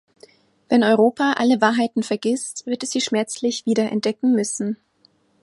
Wenn Europa alle Wahrheiten vergißt, wird es sie schmerzlich wiederentdecken müssen.